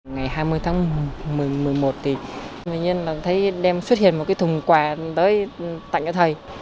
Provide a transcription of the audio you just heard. ngày hai mươi tháng một mươi một thì bệnh nhân thấy đem xuất hiện một cái thùng quà tới tặng cho thầy